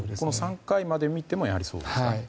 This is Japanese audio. ３回まで見てもやはりそうですか？